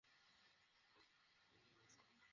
সেটা তোমার ধরন।